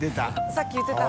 さっき言ってた。